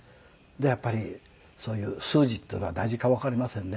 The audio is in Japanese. でやっぱりそういう数字っていうのは大事かわかりませんね。